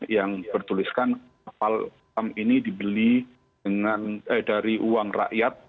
yang bertuliskan kapal ini dibeli dari uang rakyat